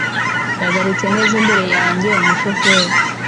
Yagarutse neza imbere yanjye Umushoferi